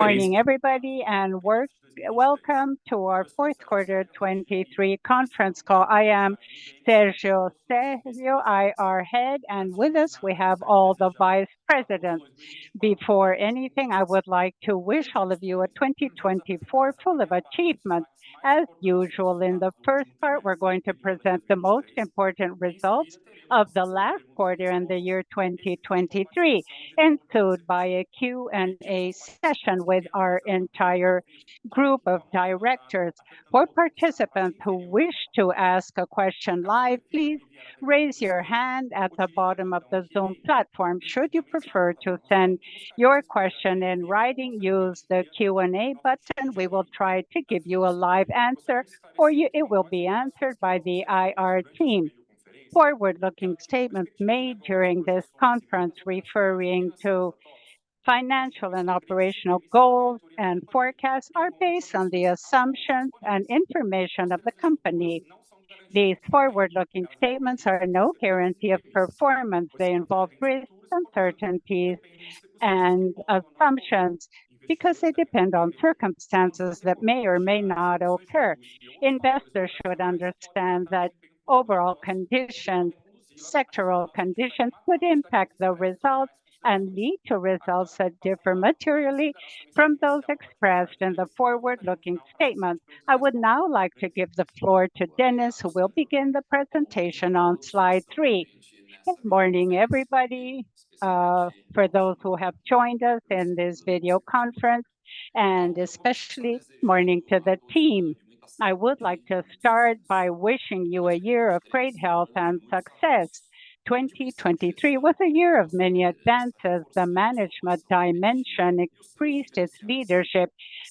Morning, everybody, and welcome to our Fourth Quarter 2023 Conference Call. I am Sérgio Sério, IR Head, and with us, we have all the vice presidents. Before anything, I would like to wish all of you a 2024 full of achievements. As usual, in the first part, we're going to present the most important results of the last quarter and the year 2023, enclosed by a Q&A session with our entire group of directors. For participants who wish to ask a question live, please raise your hand at the bottom of the Zoom platform. Should you prefer to send your question in writing, use the Q&A button. We will try to give you a live answer. Or it will be answered by the IR team. Forward-looking statements made during this conference referring to financial and operational goals and forecasts are based on the assumptions and information of the company. These forward-looking statements are no guarantee of performance. They involve risks, uncertainties, and assumptions because they depend on circumstances that may or may not occur. Investors should understand that overall conditions, sectoral conditions, could impact the results and lead to results that differ materially from those expressed in the forward-looking statements. I would now like to give the floor to Dennis, who will begin the presentation on slide three. Good morning, everybody, for those who have joined us in this video conference, and especially morning to the team. I would like to start by wishing you a year of great health and success. 2023 was a year of many advances. The Management dimension increased its leadership,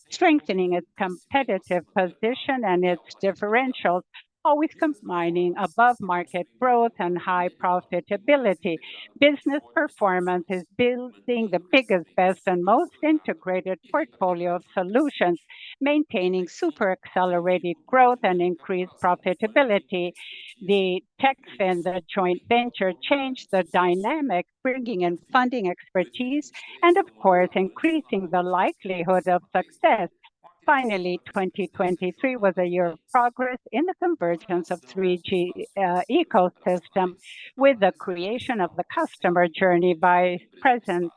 strengthening its competitive position and its differentials, always combining above-market growth and high profitability. Business Performance is building the biggest, best, and most integrated portfolio of solutions, maintaining super-accelerated growth and increased profitability. Techfin and the joint venture changed the dynamic, bringing in funding expertise and, of course, increasing the likelihood of success. Finally, 2023 was a year of progress in the convergence of 3D ecosystem, with the creation of the Customer Journey by Presence.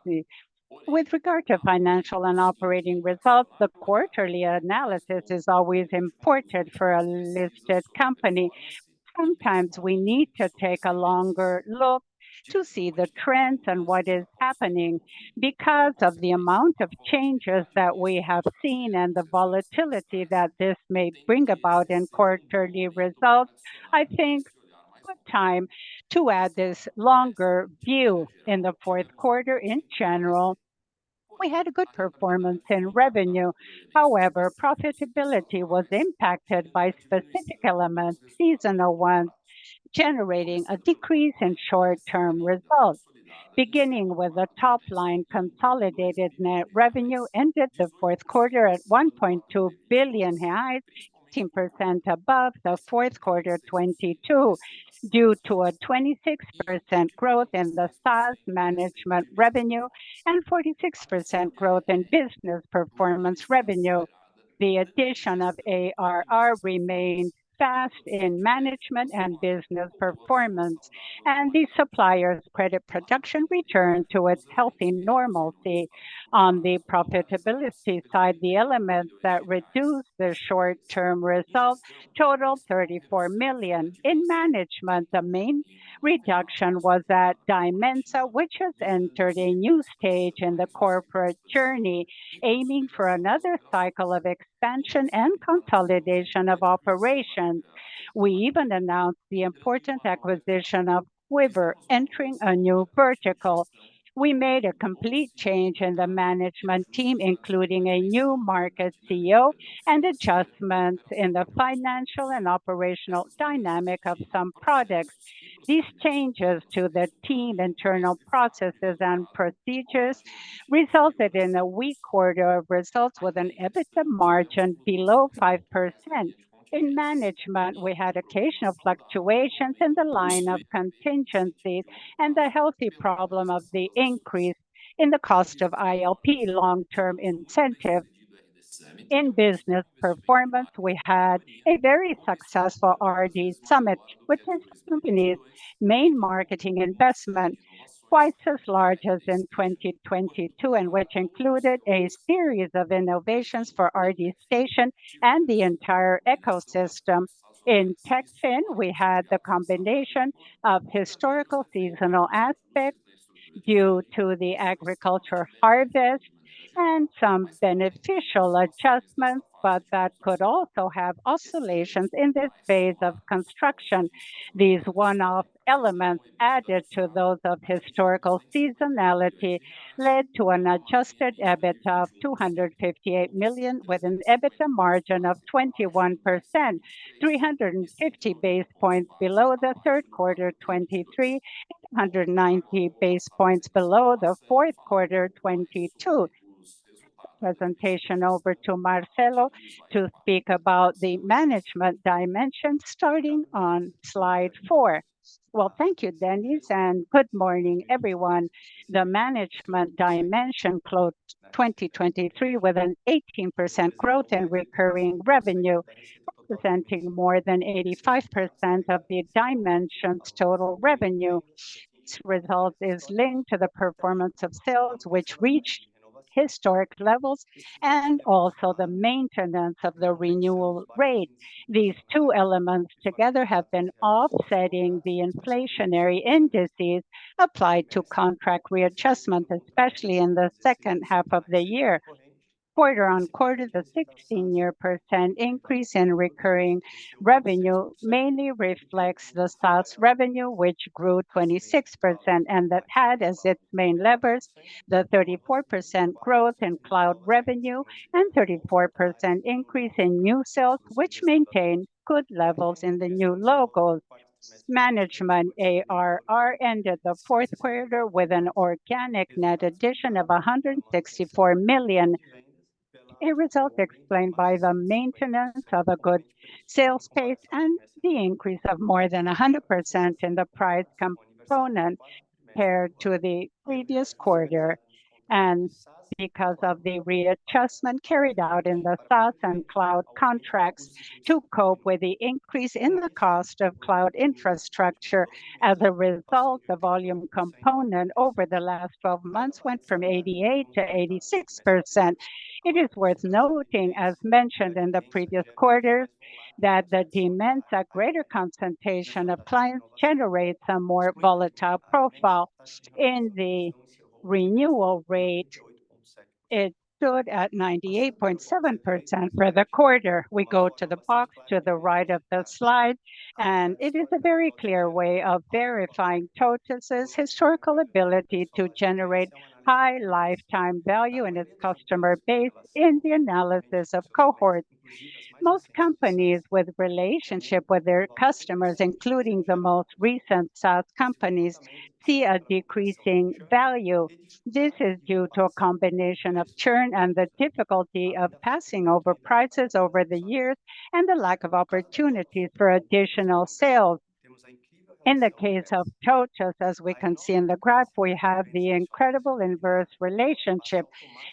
With regard to financial and operating results, the quarterly analysis is always important for a listed company. Sometimes we need to take a longer look to see the trends and what is happening. Because of the amount of changes that we have seen and the volatility that this may bring about in quarterly results, I think it's time to add this longer view. In the fourth quarter, in general, we had a good performance in revenue. However, profitability was impacted by specific elements, seasonal ones, generating a decrease in short-term results. Beginning with the top line, consolidated net revenue ended the fourth quarter at 1.2 billion, 16% above the fourth quarter 2022, due to a 26% growth in the SaaS Management revenue and 46% growth in Business Performance revenue. The addition of ARR remained fast in Management and Business Performance, and the Supplier's credit production returned to its healthy normalcy. On the profitability side, the elements that reduced the short-term results totaled 34 million. In Management, the main reduction was at Dimensa, which has entered a new stage in the corporate journey, aiming for another cycle of expansion and consolidation of operations. We even announced the important acquisition of Quiver, entering a new vertical. We made a complete change in the Management team, including a new market CEO and adjustments in the financial and operational dynamic of some products. These changes to the team, internal processes, and procedures resulted in a weak quarter of results, with an EBITDA margin below 5%. In Management, we had occasional fluctuations in the line of contingencies and the healthy problem of the increase in the cost of ILP, long-term incentive. In Business Performance, we had a very successful RD Summit, which is the company's main marketing investment, twice as large as in 2022, and which included a series of innovations for RD Station and the entire ecosystem. In Techfin, we had the combination of historical seasonal aspects due to the agriculture harvest and some beneficial adjustments, but that could also have oscillations in this phase of construction. These one-off elements, added to those of historical seasonality, led to an adjusted EBITDA of 258 million, with an EBITDA margin of 21%, 350 base points below the third quarter 2023, and 190 base points below the fourth quarter 2022. Presentation over to Marcelo to speak about the Management dimension, starting on slide 4. Well, thank you, Dennis, and good morning, everyone. The Management dimension closed 2023 with an 18% growth in recurring revenue, representing more than 85% of the dimension's total revenue. This result is linked to the performance of sales, which reached historic levels, and also the maintenance of the renewal rate. These two elements together have been offsetting the inflationary indices applied to contract readjustment, especially in the second half of the year. Quarter-over-quarter, the 16 percent increase in recurring revenue mainly reflects the sales revenue, which grew 26%, and that had as its main levers the 34% growth in cloud revenue and 34% increase in new sales, which maintained good levels in the new logos. Management ARR ended the fourth quarter with an organic net addition of 164 million, a result explained by the maintenance of a good sales pace and the increase of more than 100% in the price component compared to the previous quarter. Because of the readjustment carried out in the SaaS and cloud contracts to cope with the increase in the cost of cloud infrastructure. As a result, the volume component over the last twelve months went from 88%-86%. It is worth noting, as mentioned in the previous quarter, that the demand, a greater concentration of clients generates a more volatile profile in the renewal rate. It stood at 98.7% for the quarter. We go to the plot to the right of the slide, and it is a very clear way of verifying TOTVS' historical ability to generate high lifetime value in its customer base in the analysis of cohorts. Most companies with relationship with their customers, including the most recent SaaS companies, see a decreasing value. This is due to a combination of churn and the difficulty of passing over prices over the years and the lack of opportunities for additional sales. In the case of TOTVS, as we can see in the graph, we have the incredible inverse relationship,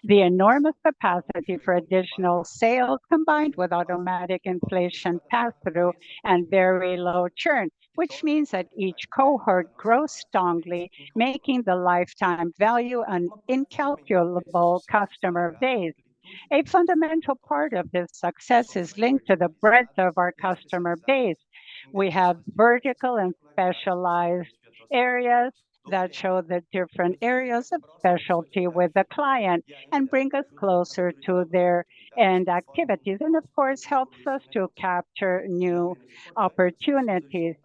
the enormous capacity for additional sales, combined with automatic inflation pass-through and very low churn. Which means that each cohort grows strongly, making the lifetime value an incalculable customer base. A fundamental part of this success is linked to the breadth of our customer base. We have vertical and specialized areas that show the different areas of specialty with the client and bring us closer to their end activities, and of course, helps us to capture new opportunities.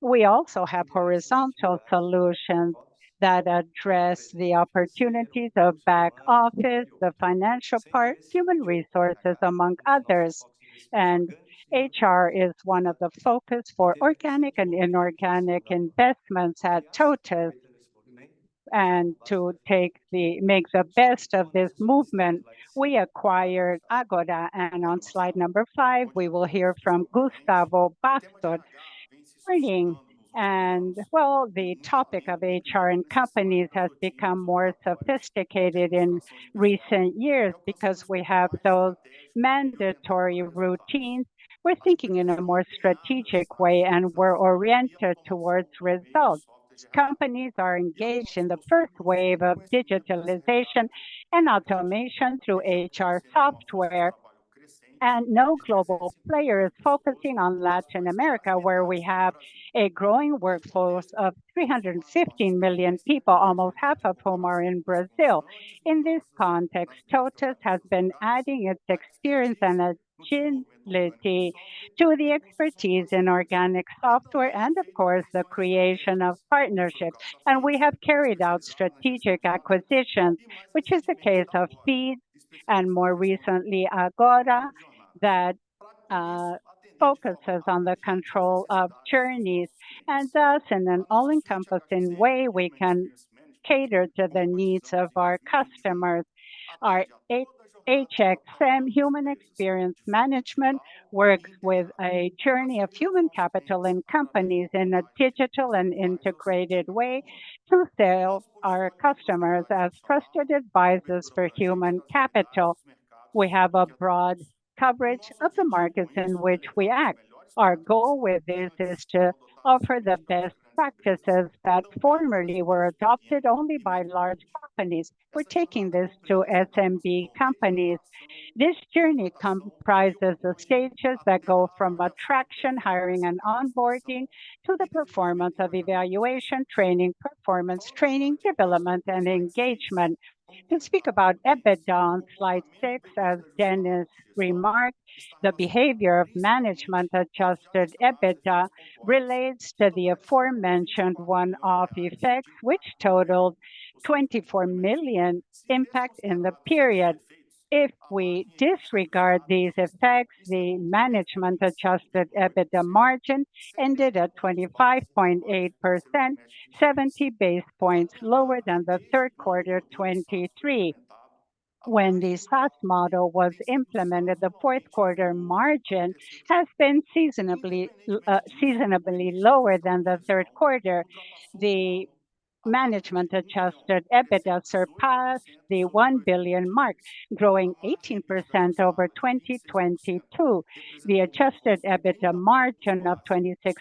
We also have horizontal solutions that address the opportunities of back office, the financial part, human resources, among others. HR is one of the focus for organic and inorganic investments at TOTVS. To make the best of this movement, we acquired Ahgora. On slide number five, we will hear from Gustavo Bastos. Good morning! Well, the topic of HR in companies has become more sophisticated in recent years because we have those mandatory routines. We're thinking in a more strategic way, and we're oriented towards results. Companies are engaged in the first wave of digitalization and automation through HR software, and no global player is focusing on Latin America, where we have a growing workforce of 315 million people, almost half of whom are in Brazil. In this context, TOTVS has been adding its experience and agility to the expertise in organic software and of course, the creation of partnerships. We have carried out strategic acquisitions, which is the case of Feedz, and more recently, Ahgora, that focuses on the control of journeys. Thus, in an all-encompassing way, we can cater to the needs of our customers. Our HXM, Human Experience Management, works with a journey of human capital in companies in a digital and integrated way to sell our customers as trusted advisors for human capital. We have a broad coverage of the markets in which we act. Our goal with this is to offer the best practices that formerly were adopted only by large companies. We're taking this to SMB companies. This journey comprises the stages that go from attraction, hiring, and onboarding to the performance of evaluation, training, performance, training, development, and engagement. To speak about EBITDA on slide 6, as Dennis remarked, the behavior of Management Adjusted EBITDA relates to the aforementioned one-off effects, which totaled 24 million impact in the period. If we disregard these effects, the Management Adjusted EBITDA margin ended at 25.8%, 70 base points lower than the third quarter of 2023… when the SaaS model was implemented, the fourth quarter margin has been seasonally lower than the third quarter. The Management Adjusted EBITDA surpassed the 1 billion mark, growing 18% over 2022. The adjusted EBITDA margin of 26%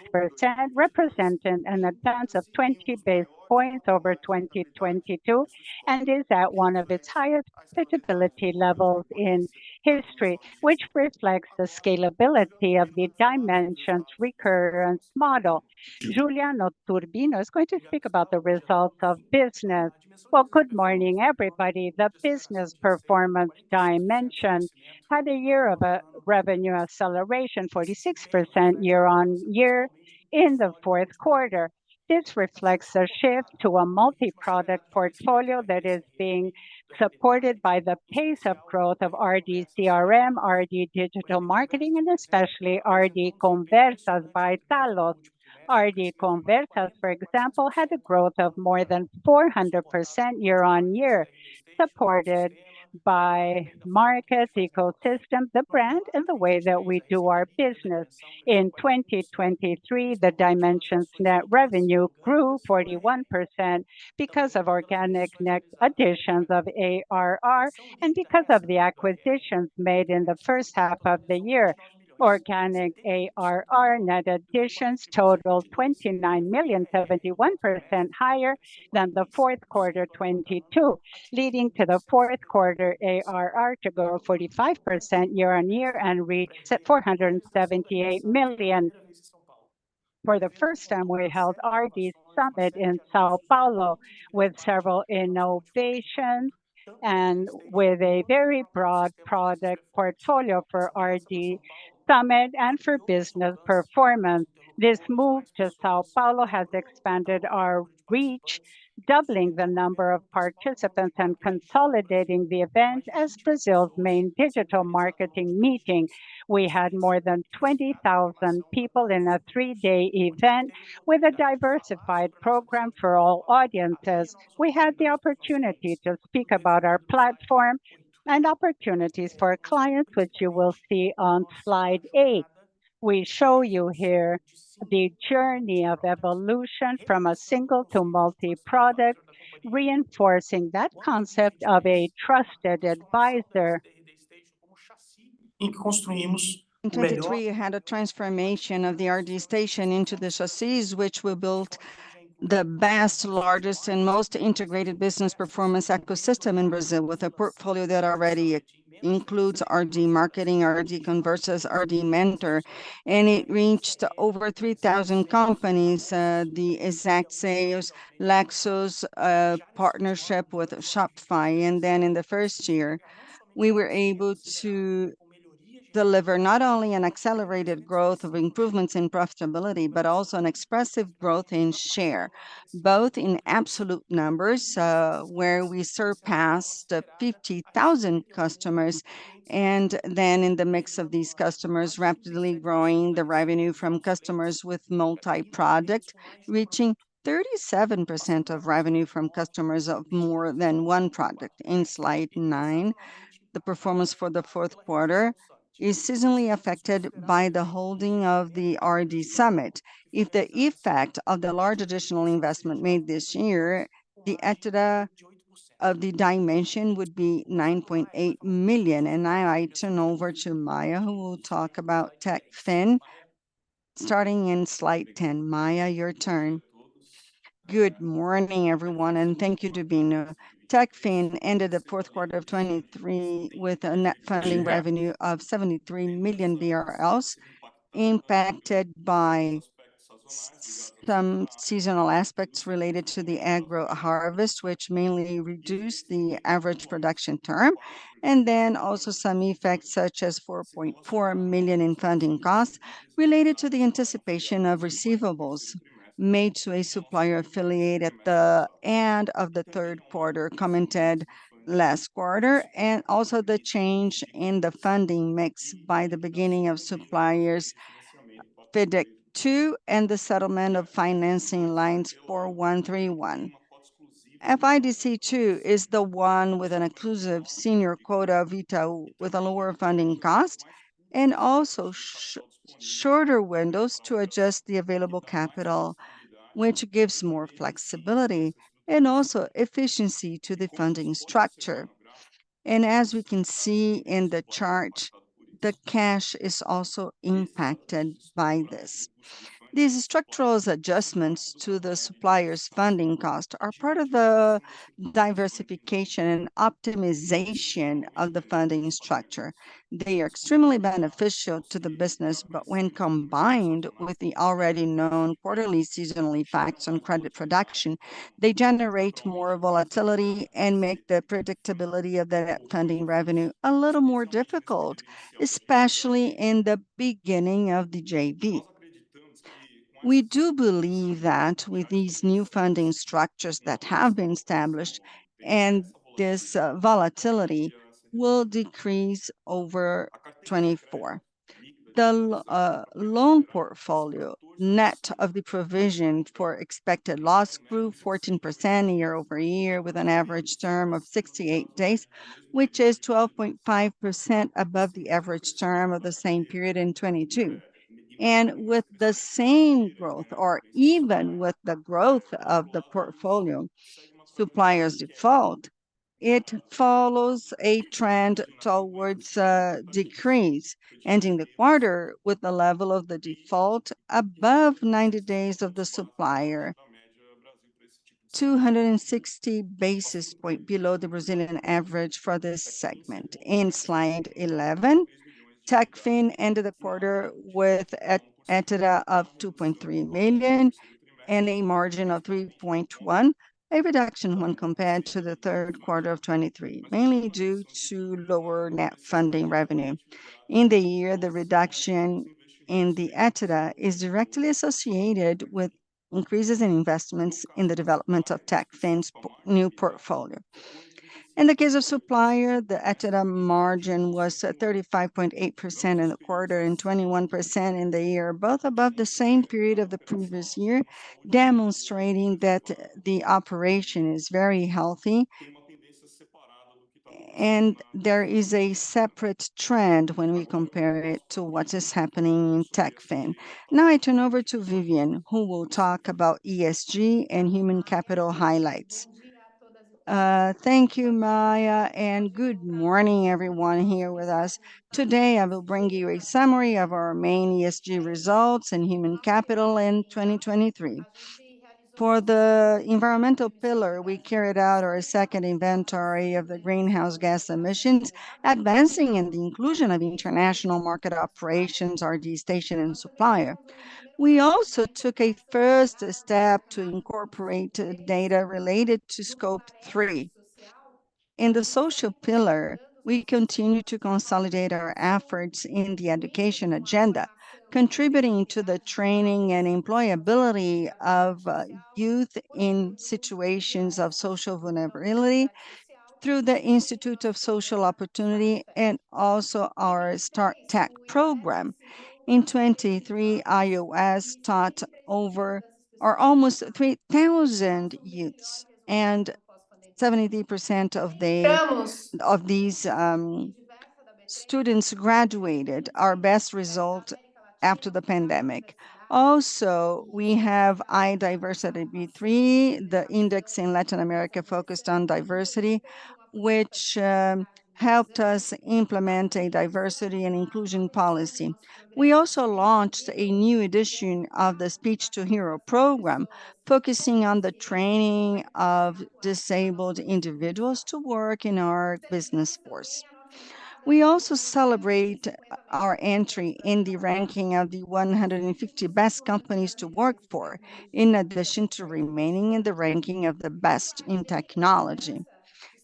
represented an advance of 20 basis points over 2022, and is at one of its highest profitability levels in history, which reflects the scalability of the Dimensa recurring model. Juliano Tubino is going to speak about the results of business. Well, good morning, everybody. The Business Performance dimension had a year of revenue acceleration, 46% year-on-year in the fourth quarter. This reflects a shift to a multi-product portfolio that is being supported by the pace of growth of RD CRM, RD Digital Marketing, and especially RD Conversas by Tallos. RD Conversas, for example, had a growth of more than 400% year-on-year, supported by markets, ecosystem, the brand, and the way that we do our business. In 2023, the Dimensions net revenue grew 41% because of organic net additions of ARR and because of the acquisitions made in the first half of the year. Organic ARR net additions totaled 29 million, 71% higher than the fourth quarter 2022, leading to the fourth quarter ARR to grow 45% year-on-year, and reach at 478 million. For the first time, we held RD Summit in São Paulo with several innovations and with a very broad product portfolio for RD Summit and for Business Performance. This move to São Paulo has expanded our reach, doubling the number of participants and consolidating the event as Brazil's main digital marketing meeting. We had more than 20,000 people in a three-day event with a diversified program for all audiences. We had the opportunity to speak about our platform and opportunities for clients, which you will see on slide 8. We show you here the journey of evolution from a single to multi-product, reinforcing that concept of a trusted advisor. In 2023, we had a transformation of the RD Station into the Chassis, which we built the best, largest, and most integrated Business Performance ecosystem in Brazil, with a portfolio that already includes RD Marketing, RD Conversas, RD Mentor, and it reached over 3,000 companies, the Exact Sales, Lexos, partnership with Shopify. And then in the first year, we were able to deliver not only an accelerated growth of improvements in profitability, but also an expressive growth in share, both in absolute numbers, where we surpassed 50,000 customers, and then in the mix of these customers, rapidly growing the revenue from customers with multi-product, reaching 37% of revenue from customers of more than one product. In slide nine, the performance for the fourth quarter is seasonally affected by the holding of the RD Summit. If the effect of the large additional investment made this year, the EBITDA of the Dimensa would be 9.8 million. Now I turn over to Maia, who will talk about Techfin, starting in slide 10. Maia, your turn. Good morning, everyone, and thank you, Tubino. Techfin ended the fourth quarter of 2023 with a net funding revenue of 73 million BRL, impacted by some seasonal aspects related to the agro harvest, which mainly reduced the average production term, and then also some effects, such as 4.4 million in funding costs related to the anticipation of receivables made to a Supplier affiliate at the end of the third quarter, commented last quarter, and also the change in the funding mix by the beginning of Supplier's FIDC 2, and the settlement of financing lines for 4131. FIDC 2 is the one with an inclusive senior quota vehicle with a lower funding cost, and also shorter windows to adjust the available capital, which gives more flexibility and also efficiency to the funding structure. As we can see in the chart, the cash is also impacted by this. These structural adjustments to the Supplier's funding cost are part of the diversification and optimization of the funding structure. They are extremely beneficial to the business, but when combined with the already known quarterly seasonal effects on credit production, they generate more volatility and make the predictability of the net funding revenue a little more difficult, especially in the beginning of the JV. We do believe that with these new funding structures that have been established and this volatility will decrease over 2024. The loan portfolio, net of the provision for expected loss, grew 14% year-over-year, with an average term of 68 days, which is 12.5% above the average term of the same period in 2022. With the same growth, or even with the growth of the portfolio, Supplier's default, it follows a trend towards a decrease, ending the quarter with the level of the default above 90 days of the Supplier, 260 basis points below the Brazilian average for this segment. In slide 11, Techfin ended the quarter with EBITDA of 2.3 million and a margin of 3.1%, a reduction when compared to the third quarter of 2023, mainly due to lower net funding revenue. In the year, the reduction in the EBITDA is directly associated with increases in investments in the development of Techfin's new portfolio. In the case of Supplier, the EBITDA margin was at 35.8% in the quarter and 21% in the year, both above the same period of the previous year, demonstrating that the operation is very healthy. There is a separate trend when we compare it to what is happening in Techfin. Now I turn over to Vivian, who will talk about ESG and human capital highlights. Thank you, Maia, and good morning, everyone here with us. Today, I will bring you a summary of our main ESG results and human capital in 2023. For the environmental pillar, we carried out our second inventory of the greenhouse gas emissions, advancing in the inclusion of international market operations, RD Station, and Supplier. We also took a first step to incorporate data related to Scope 3. In the social pillar, we continued to consolidate our efforts in the education agenda, contributing to the training and employability of youth in situations of social vulnerability through the Institute of Social Opportunity and also our Start Tech program. In 2023, IOS taught over or almost 3,000 youths, and 73% of these students graduated, our best result after the pandemic. Also, we have IDiversa B3, the index in Latin America focused on diversity, which helped us implement a diversity and inclusion policy. We also launched a new edition of the Speech to Hero program, focusing on the training of disabled individuals to work in our workforce. We also celebrate our entry in the ranking of the 150 Best Companies to Work For, in addition to remaining in the ranking of the Best in Technology.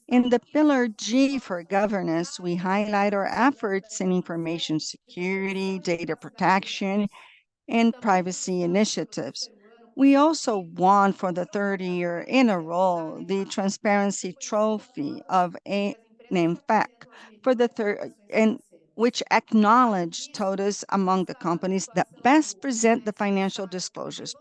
In the pillar G, for governance, we highlight our efforts in information security, data protection, and privacy initiatives. We also won, for the third year in a row, the Transparency Trophy of ANEFAC for the third... And which acknowledged TOTVS among the companies that best present the financial disclosures.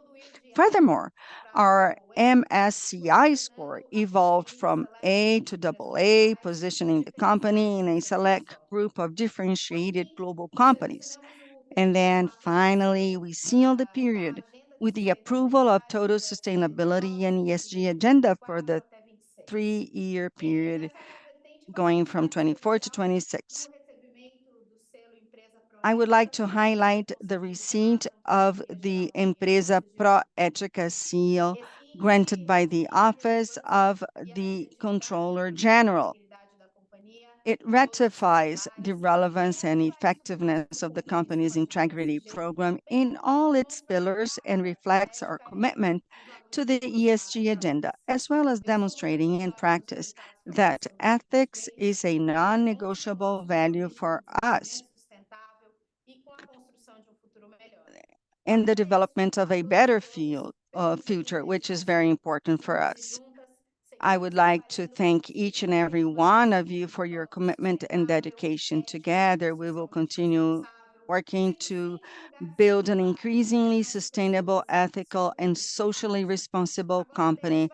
Furthermore, our MSCI score evolved from A to double A, positioning the company in a select group of differentiated global companies. And then finally, we sealed the period with the approval of TOTVS sustainability and ESG agenda for the three-year period, going from 2024 to 2026. I would like to highlight the receipt of the Empresa Pró-Ética seal, granted by the Office of the Comptroller General. It rectifies the relevance and effectiveness of the company's integrity program in all its pillars, and reflects our commitment to the ESG agenda, as well as demonstrating in practice that ethics is a non-negotiable value for us. The development of a better field, future, which is very important for us. I would like to thank each and every one of you for your commitment and dedication. Together, we will continue working to build an increasingly sustainable, ethical, and socially responsible company,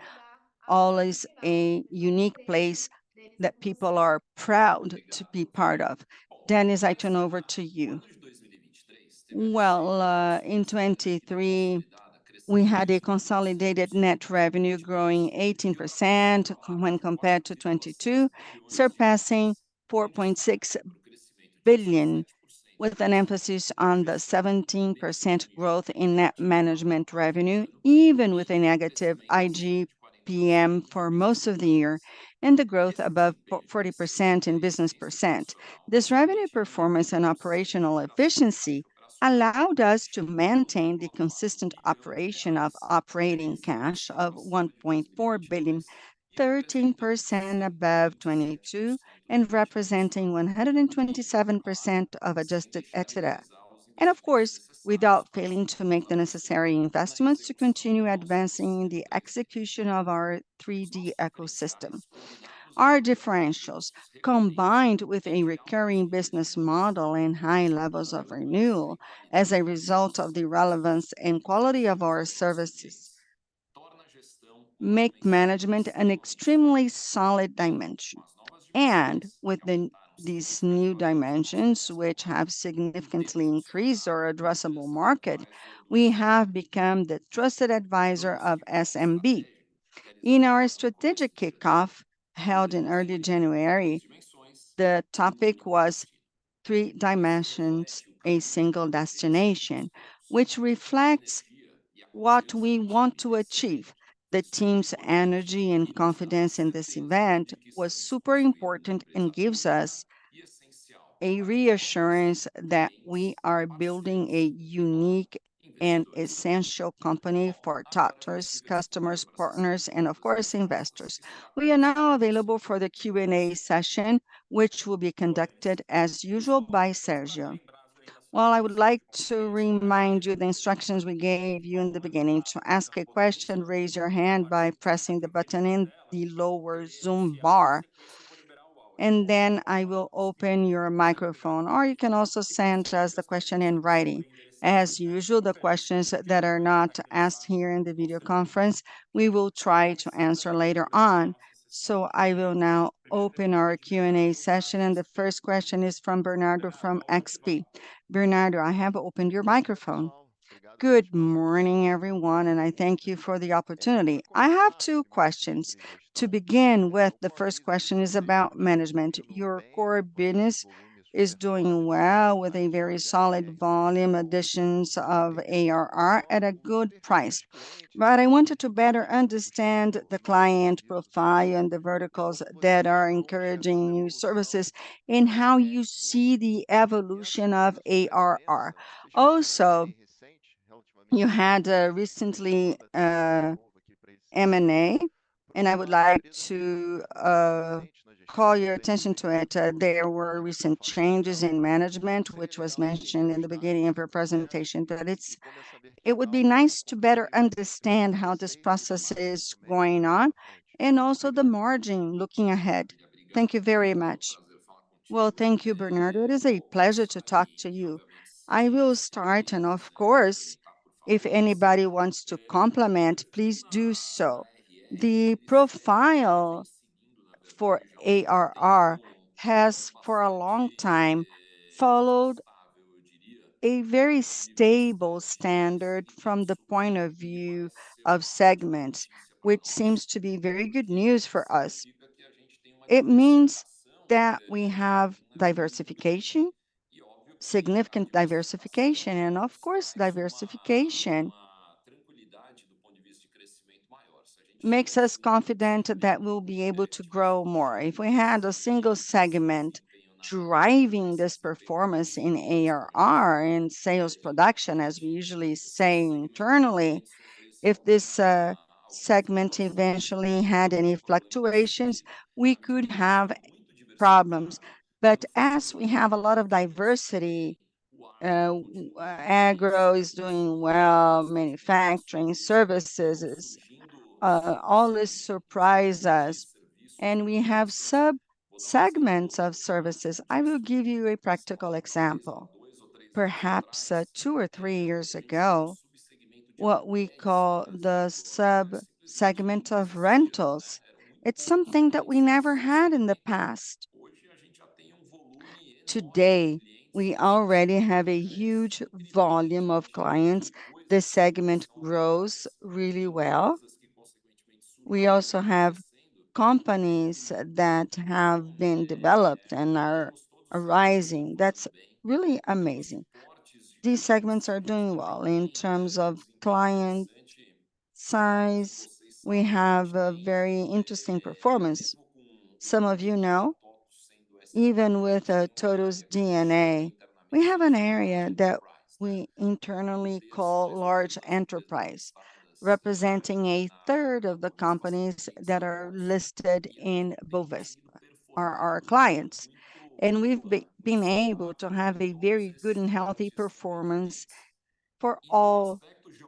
always a unique place that people are proud to be part of. Dennis, I turn over to you. Well, in 2023, we had a consolidated net revenue growing 18% when compared to 2022, surpassing 4.6 billion, with an emphasis on the 17% growth in net Management revenue, even with a negative IGPM for most of the year, and the growth above forty percent in Business percent. This revenue performance and operational efficiency allowed us to maintain the consistent operation of operating cash of 1.4 billion, 13% above 2022, and representing 127% of adjusted EBITDA. And of course, without failing to make the necessary investments to continue advancing the execution of our 3D ecosystem.... Our differentials, combined with a recurring business model and high levels of renewal as a result of the relevance and quality of our services, make Management an extremely solid dimension. Within these new dimensions, which have significantly increased our addressable market, we have become the trusted advisor of SMB. In our strategic kickoff, held in early January, the topic was three dimensions, a single destination, which reflects what we want to achieve. The team's energy and confidence in this event was super important and gives us a reassurance that we are building a unique and essential company for TOTVS customers, partners, and of course, investors. We are now available for the Q&A session, which will be conducted as usual by Sergio. Well, I would like to remind you the instructions we gave you in the beginning. To ask a question, raise your hand by pressing the button in the lower Zoom bar, and then I will open your microphone, or you can also send us the question in writing. As usual, the questions that are not asked here in the video conference, we will try to answer later on. So I will now open our Q&A session, and the first question is from Bernardo, from XP. Bernardo, I have opened your microphone. Good morning, everyone, and I thank you for the opportunity. I have two questions. To begin with, the first question is about Management. Your core business is doing well with a very solid volume additions of ARR at a good price. But I wanted to better understand the client profile and the verticals that are encouraging new services, and how you see the evolution of ARR. Also, you had recently M&A, and I would like to call your attention to it. There were recent changes in Management, which was mentioned in the beginning of your presentation, that it's... It would be nice to better understand how this process is going on and also the margin looking ahead. Thank you very much. Well, thank you, Bernardo. It is a pleasure to talk to you. I will start and of course, if anybody wants to complement, please do so. The profile for ARR has, for a long time, followed a very stable standard from the point of view of segments, which seems to be very good news for us. It means that we have diversification, significant diversification, and of course, diversification makes us confident that we'll be able to grow more. If we had a single segment driving this performance in ARR, in sales production, as we usually say internally, if this segment eventually had any fluctuations, we could have problems. But as we have a lot of diversity, agro is doing well, manufacturing, services, all this surprise us, and we have sub-segments of services. I will give you a practical example. Perhaps two or three years ago, what we call the sub-segment of rentals, it's something that we never had in the past. Today, we already have a huge volume of clients. This segment grows really well. We also have companies that have been developed and are arising. That's really amazing. These segments are doing well. In terms of client size, we have a very interesting performance. Some of you know, even with TOTVS DNA, we have an area that we internally call large enterprise, representing a third of the companies that are listed in Bovespa are our clients, and we've been able to have a very good and healthy performance for all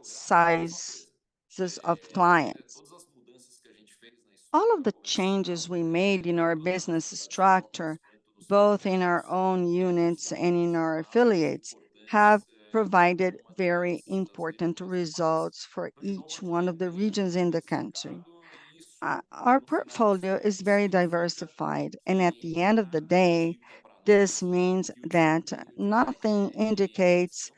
sizes of clients. All of the changes we made in our business structure, both in our own units and in our affiliates, have provided very important results for each one of the regions in the country. Our portfolio is very diversified, and at the end of the day, this means that nothing indicates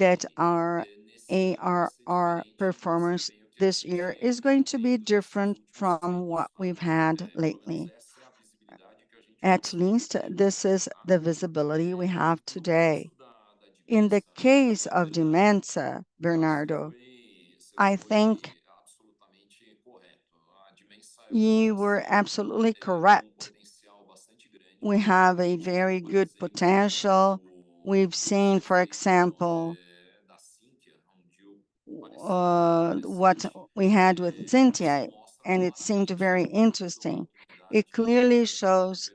that our ARR performance this year is going to be different from what we've had lately. At least, this is the visibility we have today. In the case of Dimensa, Bernardo, I think you were absolutely correct. We have a very good potential. We've seen, for example, what we had with Sinqia, and it seemed very interesting. It clearly shows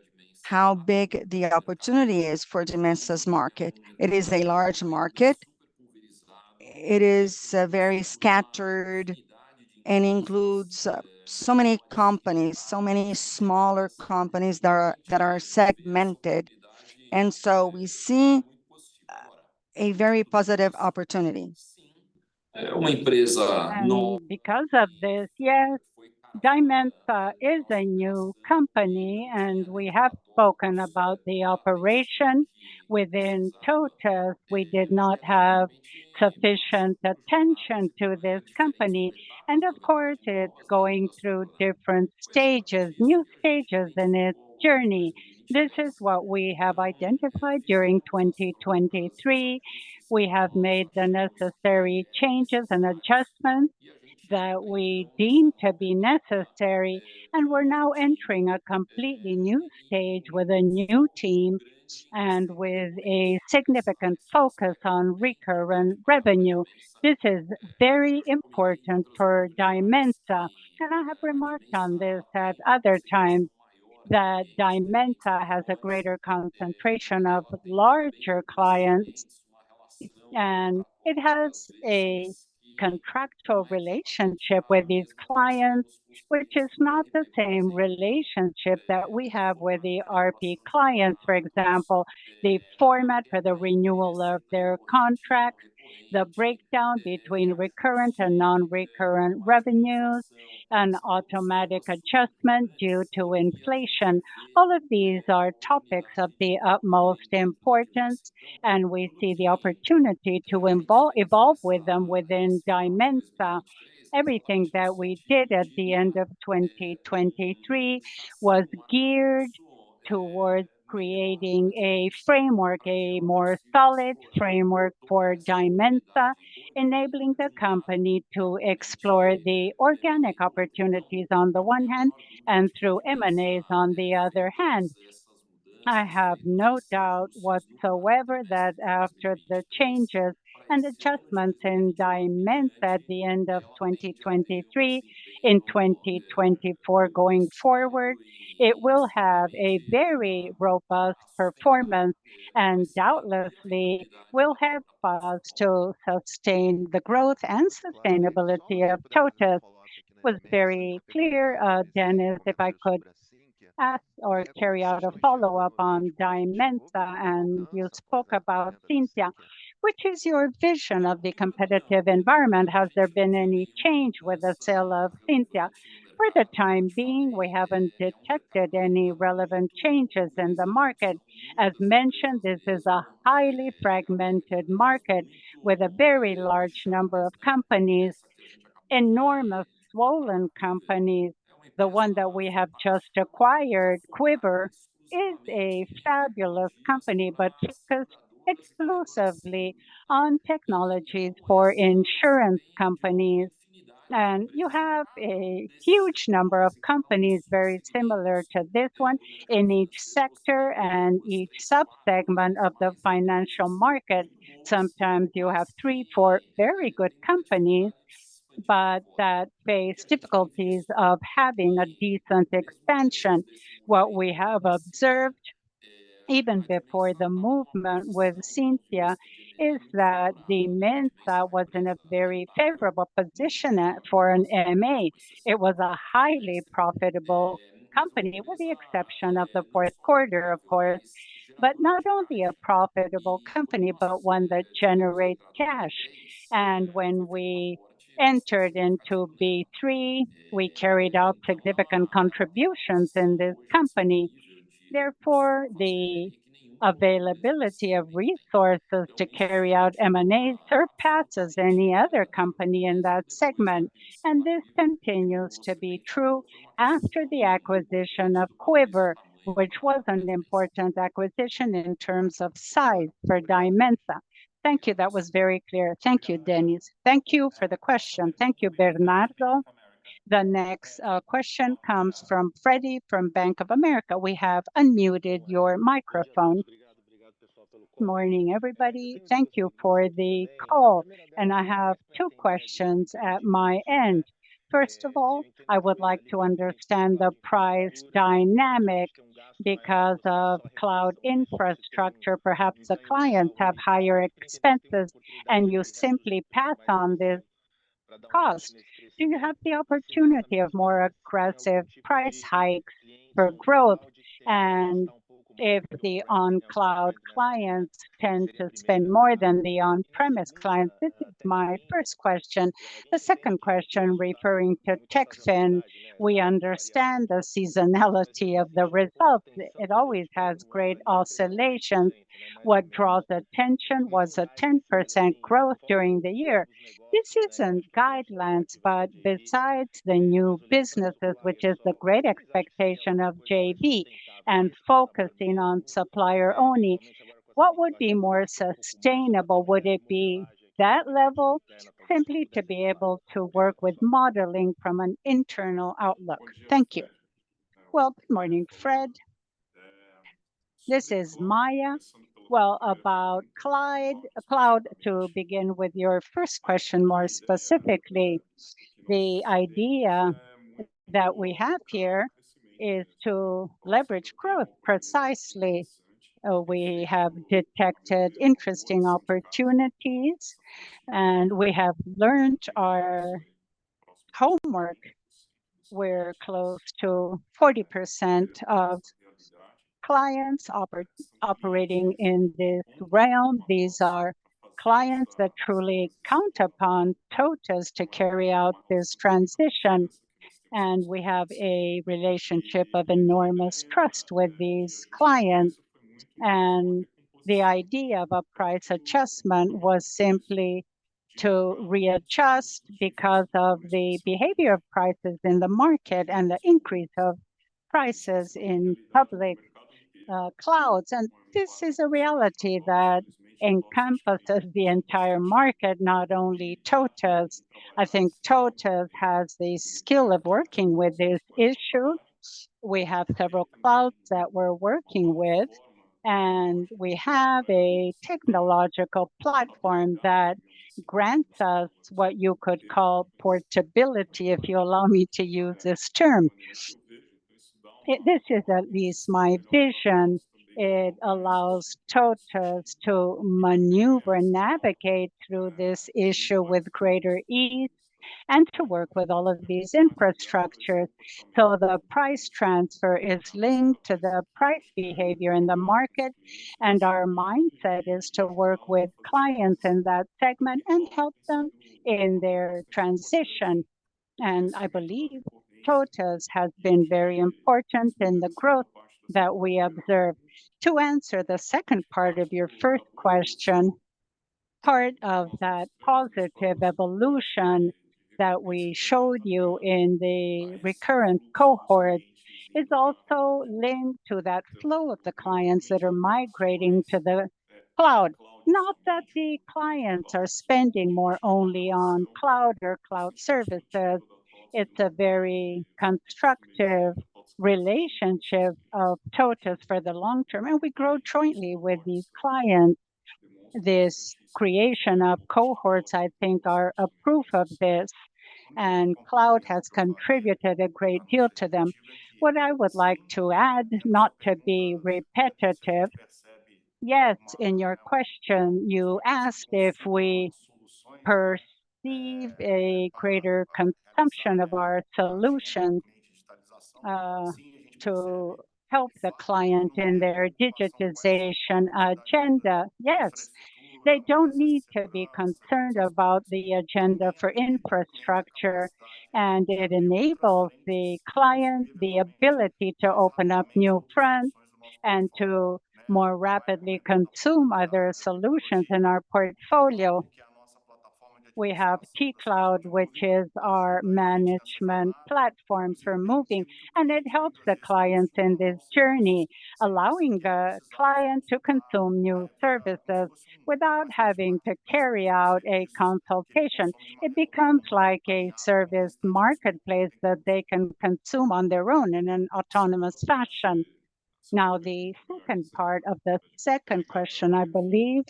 how big the opportunity is for Dimensa's market. It is a large market.... it is very scattered and includes so many companies, so many smaller companies that are segmented. And so we see a very positive opportunity. And because of this, yes, Dimensa is a new company, and we have spoken about the operation within TOTVS. We did not have sufficient attention to this company, and of course, it's going through different stages, new stages in its journey. This is what we have identified during 2023. We have made the necessary changes and adjustments that we deem to be necessary, and we're now entering a completely new stage with a new team and with a significant focus on recurrent revenue. This is very important for Dimensa, and I have remarked on this at other times, that Dimensa has a greater concentration of larger clients, and it has a contractual relationship with these clients, which is not the same relationship that we have with the RP clients. For example, the format for the renewal of their contracts, the breakdown between recurrent and non-recurrent revenues, and automatic adjustments due to inflation. All of these are topics of the utmost importance, and we see the opportunity to evolve with them within Dimensa. Everything that we did at the end of 2023 was geared towards creating a framework, a more solid framework for Dimensa, enabling the company to explore the organic opportunities on the one hand, and through M&As on the other hand. I have no doubt whatsoever that after the changes and adjustments in Dimensa at the end of 2023, in 2024, going forward, it will have a very robust performance, and doubtlessly will have files to sustain the growth and sustainability of TOTVS. Was very clear, Dennis, if I could ask or carry out a follow-up on Dimensa, and you spoke about Sinqia. What is your vision of the competitive environment? Has there been any change with the sale of Sinqia? For the time being, we haven't detected any relevant changes in the market. As mentioned, this is a highly fragmented market with a very large number of companies, enormous swollen companies. The one that we have just acquired, Quiver, is a fabulous company, but focuses exclusively on technologies for insurance companies. And you have a huge number of companies very similar to this one in each sector and each sub-segment of the financial market. Sometimes you have three, four very good companies, but that face difficulties of having a decent expansion. What we have observed, even before the movement with Sinqia, is that Dimensa was in a very favorable position for an M&A. It was a highly profitable company, with the exception of the fourth quarter, of course, but not only a profitable company, but one that generates cash. When we entered into B3, we carried out significant contributions in this company. Therefore, the availability of resources to carry out M&A surpasses any other company in that segment, and this continues to be true after the acquisition of Quiver, which was an important acquisition in terms of size for Dimensa. Thank you. That was very clear. Thank you, Dennis. Thank you for the question. Thank you, Bernardo. The next question comes from Freddy from Bank of America. We have unmuted your microphone. Morning, everybody. Thank you for the call, and I have two questions at my end. First of all, I would like to understand the price dynamic because of cloud infrastructure. Perhaps the clients have higher expenses, and you simply pass on this cost. Do you have the opportunity of more aggressive price hikes for growth, and if the on-cloud clients tend to spend more than the on-premise clients? This is my first question. The second question, referring to Techfin, we understand the seasonality of the results. It always has great oscillations. What draws attention was a 10% growth during the year. This isn't guidelines, but besides the new businesses, which is the great expectation of JB and focusing on Supplier-only, what would be more sustainable? Would it be that level, simply to be able to work with modeling from an internal outlook? Thank you. Well, good morning, Fred. This is Maia. Well, about cloud, to begin with, your first question, more specifically, the idea that we have here is to leverage growth precisely. We have detected interesting opportunities, and we have done our homework, we're close to 40% of clients operating in this realm. These are clients that truly count upon TOTVS to carry out this transition, and we have a relationship of enormous trust with these clients. And the idea of a price adjustment was simply to readjust because of the behavior of prices in the market and the increase of prices in public clouds. And this is a reality that encompasses the entire market, not only TOTVS. I think TOTVS has the skill of working with this issue. We have several clouds that we're working with, and we have a technological platform that grants us what you could call portability, if you allow me to use this term. This is at least my vision. It allows TOTVS to maneuver and navigate through this issue with greater ease and to work with all of these infrastructures. So the price transfer is linked to the price behavior in the market, and our mindset is to work with clients in that segment and help them in their transition. And I believe TOTVS has been very important in the growth that we observed. To answer the second part of your first question, part of that positive evolution that we showed you in the recurrent cohort is also linked to that flow of the clients that are migrating to the cloud. Not that the clients are spending more only on cloud or cloud services, it's a very constructive relationship of TOTVS for the long term, and we grow jointly with these clients. This creation of cohorts, I think, are a proof of this, and cloud has contributed a great deal to them. What I would like to add, not to be repetitive, yet in your question, you asked if we perceive a greater consumption of our solutions, to help the client in their digitization agenda. Yes. They don't need to be concerned about the agenda for infrastructure, and it enables the clients the ability to open up new fronts and to more rapidly consume other solutions in our portfolio. We have T-Cloud, which is our Management platform for moving, and it helps the clients in this journey, allowing the client to consume new services without having to carry out a consultation. It becomes like a service marketplace that they can consume on their own in an autonomous fashion. Now, the second part of the second question, I believe,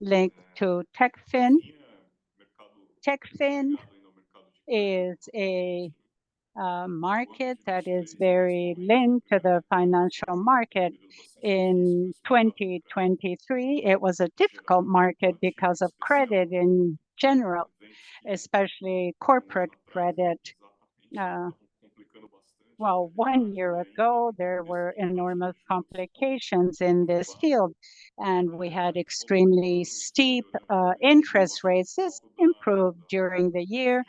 linked to Techfin. Techfin is a market that is very linked to the financial market. In 2023, it was a difficult market because of credit in general, especially corporate credit. Well, one year ago, there were enormous complications in this field, and we had extremely steep interest rates. This improved during the year,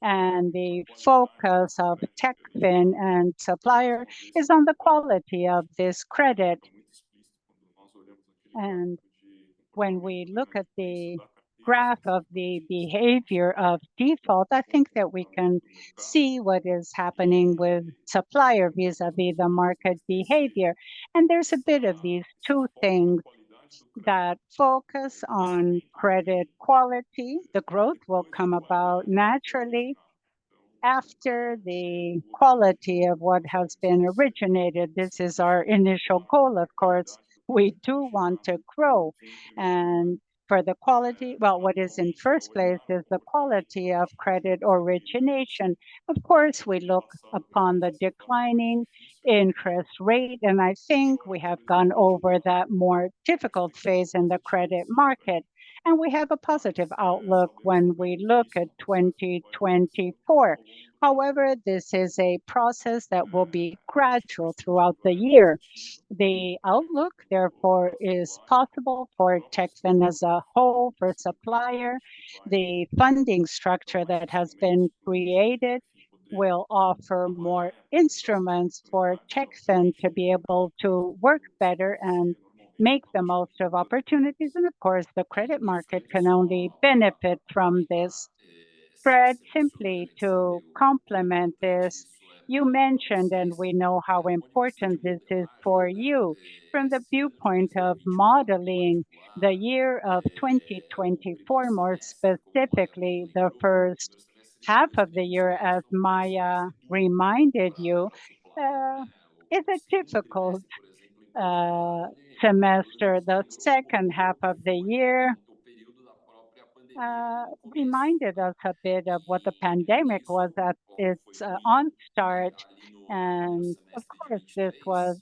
and the focus of Techfin and Supplier is on the quality of this credit. When we look at the graph of the behavior of default, I think that we can see what is happening with Supplier vis-à-vis the market behavior. There's a bit of these two things that focus on credit quality. The growth will come about naturally after the quality of what has been originated. This is our initial goal, of course. We do want to grow. And for the quality. Well, what is in first place is the quality of credit origination. Of course, we look upon the declining interest rate, and I think we have gone over that more difficult phase in the credit market, and we have a positive outlook when we look at 2024. However, this is a process that will be gradual throughout the year. The outlook, therefore, is possible for Techfin as a whole, for Supplier. The funding structure that has been created will offer more instruments for Techfin to be able to work better and make the most of opportunities. And of course, the credit market can only benefit from this. Freddy, simply to complement this, you mentioned, and we know how important this is for you. From the viewpoint of modeling the year of 2024, more specifically the first half of the year, as Maia reminded you, is a difficult semester. The second half of the year reminded us a bit of what the pandemic was at its onset. And of course, this was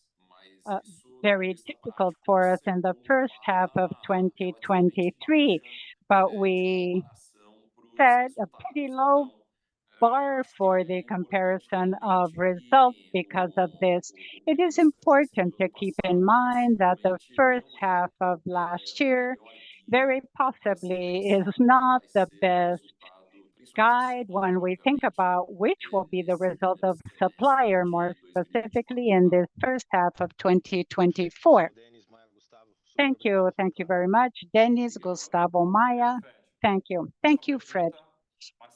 very difficult for us in the first half of 2023, but we set a pretty low bar for the comparison of results because of this. It is important to keep in mind that the first half of last year very possibly is not the best guide when we think about which will be the result of Supplier, more specifically in the first half of 2024. Dennis, Maia, Gustavo.Thank you. Thank you very much. Dennis, Gustavo, Maia. Thank you. Thank you, Fred.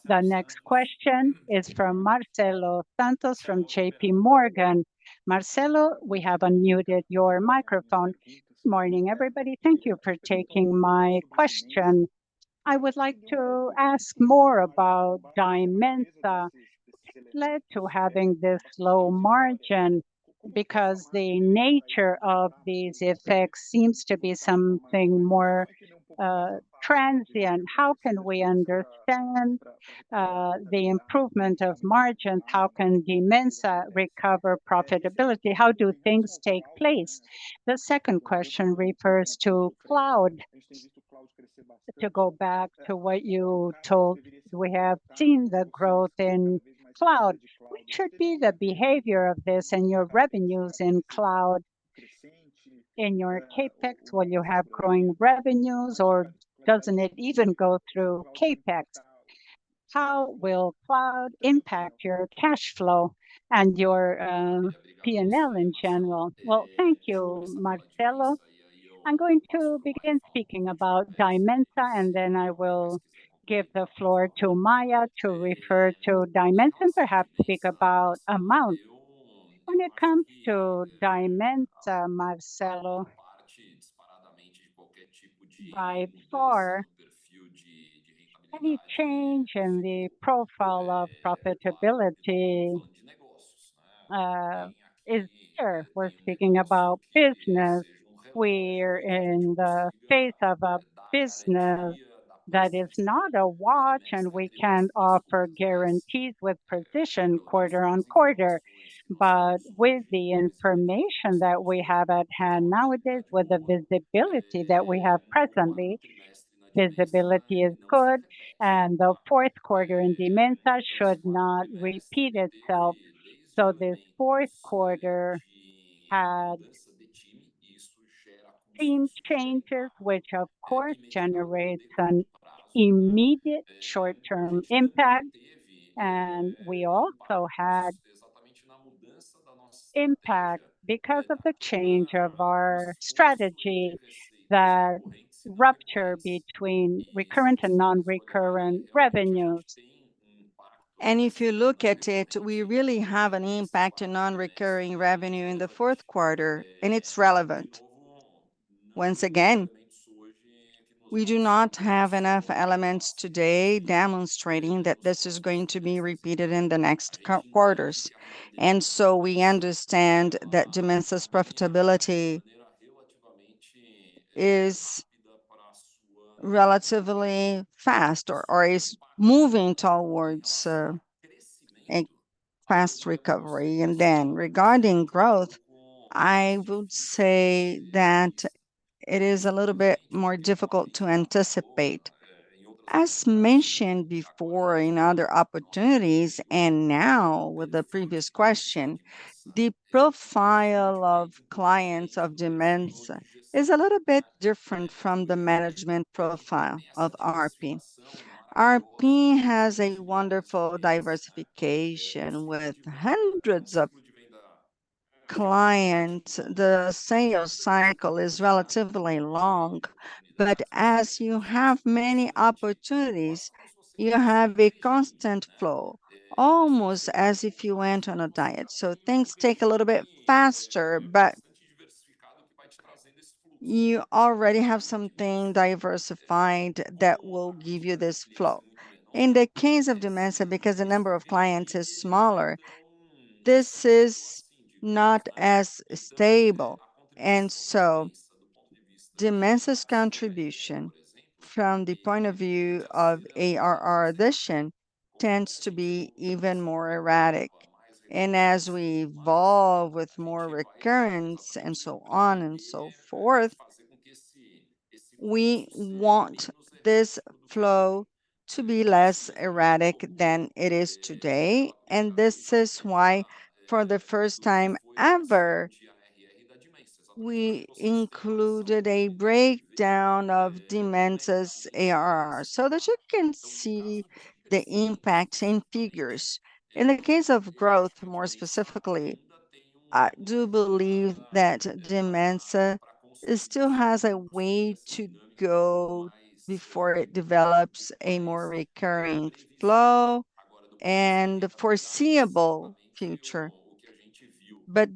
The next question is from Marcelo Santos from J.P. Morgan. Marcelo, we have unmuted your microphone. Morning, everybody. Thank you for taking my question. I would like to ask more about Dimensa. It led to having this low margin, because the nature of these effects seems to be something more transient. How can we understand the improvement of margin? How can Dimensa recover profitability? How do things take place? The second question refers to cloud. To go back to what you told, we have seen the growth in cloud. What should be the behavior of this in your revenues in cloud, in your CapEx? Will you have growing revenues, or doesn't it even go through CapEx? How will cloud impact your cash flow and your PNL in general? Well, thank you, Marcelo. I'm going to begin speaking about Dimensa, and then I will give the floor to Maia to refer to Dimensa and perhaps speak about amount. When it comes to Dimensa, Marcelo, by far, any change in the profile of profitability is here. We're speaking about business. We're in the phase of a business that is not a watch, and we can't offer guarantees with precision quarter on quarter. But with the information that we have at hand nowadays, with the visibility that we have presently, visibility is good, and the fourth quarter in Dimensa should not repeat itself. So this fourth quarter had team changes, which of course generates an immediate short-term impact, and we also had impact because of the change of our strategy, the rupture between recurrent and non-recurrent revenues. If you look at it, we really have an impact in non-recurring revenue in the fourth quarter, and it's relevant. Once again, we do not have enough elements today demonstrating that this is going to be repeated in the next quarters. So we understand that Dimensa's profitability is relatively fast, or is moving towards a fast recovery. Then, regarding growth, I would say that it is a little bit more difficult to anticipate. As mentioned before in other opportunities, and now with the previous question, the profile of clients of Dimensa is a little bit different from the Management profile of RP. RP has a wonderful diversification with hundreds of clients. The sales cycle is relatively long, but as you have many opportunities, you have a constant flow, almost as if you went on a diet. So things take a little bit faster, but you already have something diversified that will give you this flow. In the case of Dimensa, because the number of clients is smaller, this is not as stable, and so Dimensa's contribution, from the point of view of ARR addition, tends to be even more erratic. And as we evolve with more recurrence, and so on and so forth, we want this flow to be less erratic than it is today. And this is why, for the first time ever, we included a breakdown of Dimensa's ARR, so that you can see the impact in figures. In the case of growth, more specifically, I do believe that Dimensa, it still has a way to go before it develops a more recurring flow and a foreseeable future.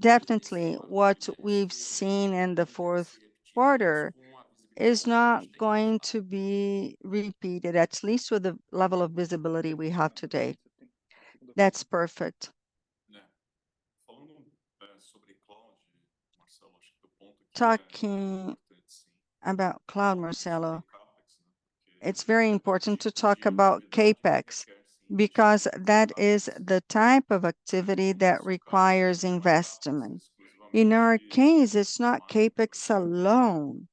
Definitely, what we've seen in the fourth quarter is not going to be repeated, at least with the level of visibility we have today. That's perfect. Talking about cloud, Marcelo... It's very important to talk about CapEx, because that is the type of activity that requires investment. In our case, it's not CapEx alone.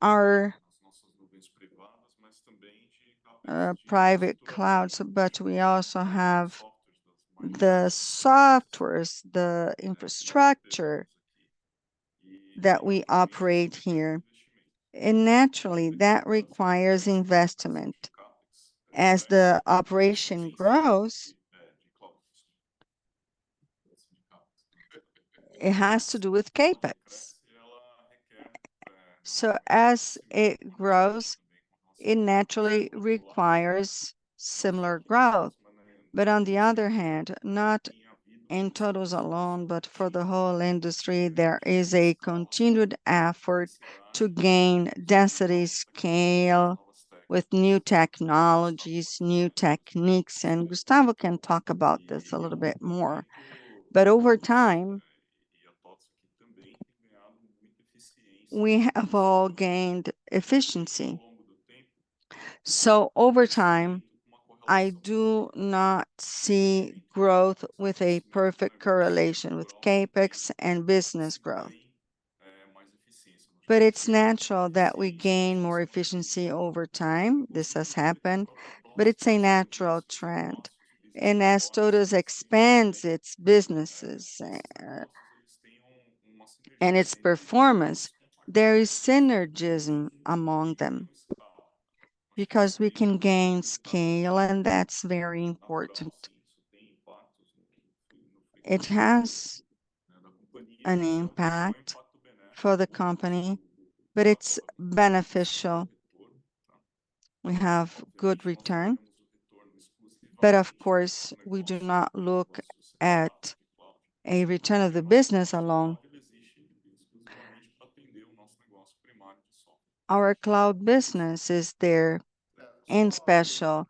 Our private clouds, but we also have the softwares, the infrastructure that we operate here, and naturally, that requires investment. As the operation grows, it has to do with CapEx. So as it grows, it naturally requires similar growth. But on the other hand, not in TOTVS alone, but for the whole industry, there is a continued effort to gain density, scale with new technologies, new techniques, and Gustavo can talk about this a little bit more. But over time, we have all gained efficiency. So over time, I do not see growth with a perfect correlation with CapEx and business growth. But it's natural that we gain more efficiency over time. This has happened, but it's a natural trend. And as TOTVS expands its businesses and its performance, there is synergism among them, because we can gain scale, and that's very important. It has an impact for the company, but it's beneficial. We have good return, but of course, we do not look at a return of the business alone. Our cloud business is there especially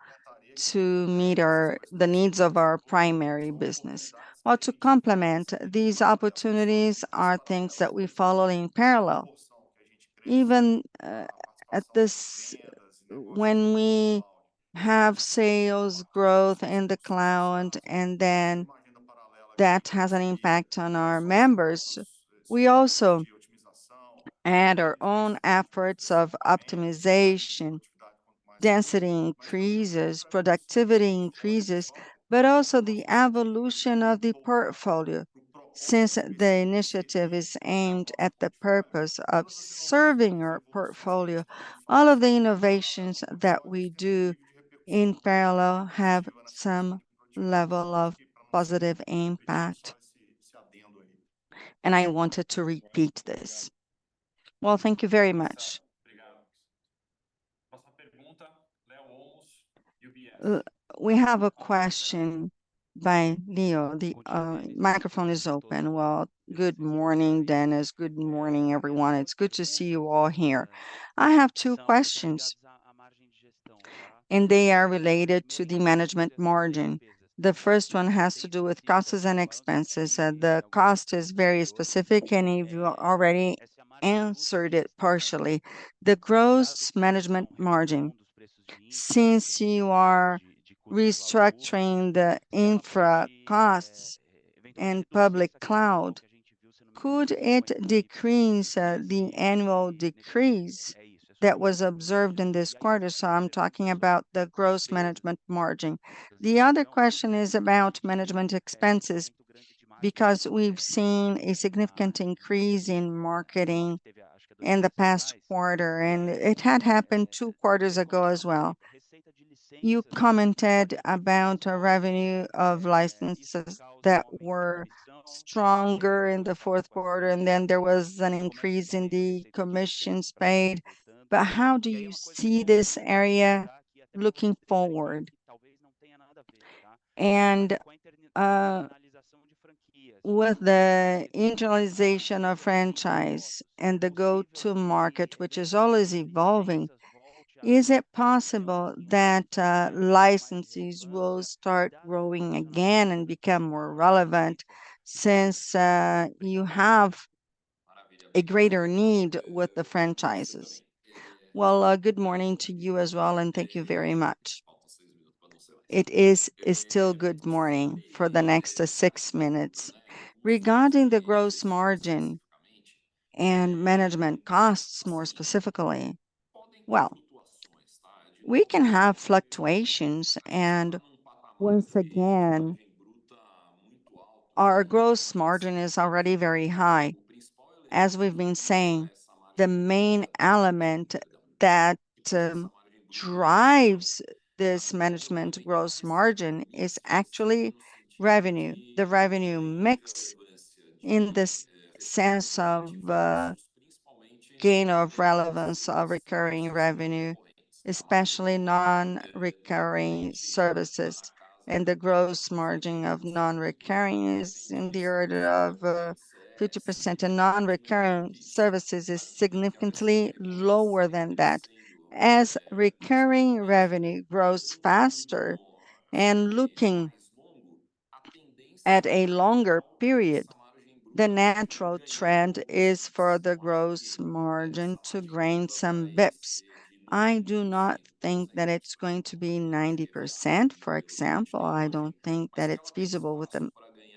to meet the needs of our primary business. Well, to complement, these opportunities are things that we follow in parallel. Even at this... When we have sales growth in the cloud, and then that has an impact on our members, we also add our own efforts of optimization, density increases, productivity increases, but also the evolution of the portfolio. Since the initiative is aimed at the purpose of serving our portfolio, all of the innovations that we do in parallel have some level of positive impact. I wanted to repeat this. Well, thank you very much. We have a question by Leo. The microphone is open. Well, good morning, Dennis. Good morning, everyone. It's good to see you all here. I have two questions, and they are related to the Management margin. The first one has to do with costs and expenses, and the cost is very specific, and you've already answered it partially. The gross Management margin, since you are restructuring the infra costs and public cloud, could it decrease the annual decrease that was observed in this quarter? So I'm talking about the gross Management margin. The other question is about Management expenses, because we've seen a significant increase in marketing in the past quarter, and it had happened two quarters ago as well. You commented about a revenue of licenses that were stronger in the fourth quarter, and then there was an increase in the commissions paid. But how do you see this area looking forward? And, with the internationalization of franchise and the go-to market, which is always evolving, is it possible that, licensees will start growing again and become more relevant, since, you have a greater need with the franchises? Well, good morning to you as well, and thank you very much. It is still good morning for the next six minutes. Regarding the gross margin and Management costs, more specifically, well, we can have fluctuations, and once again, our gross margin is already very high. As we've been saying, the main element that drives this Management gross margin is actually revenue. The revenue mix in this sense of gain of relevance of recurring revenue, especially non-recurring services, and the gross margin of non-recurring is in the order of 50%, and non-recurring services is significantly lower than that. As recurring revenue grows faster, and at a longer period, the natural trend is for the gross margin to gain some basis points. I do not think that it's going to be 90%, for example. I don't think that it's feasible with the,